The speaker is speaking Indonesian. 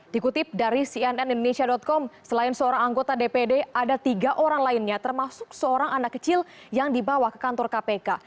dikutip dari cnn indonesia com selain seorang anggota dpd ada tiga orang lainnya termasuk seorang anak kecil yang dibawa ke kantor kpk